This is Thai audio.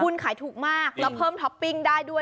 คุณขายถูกมากแล้วเพิ่มท็อปปิ้งได้ด้วย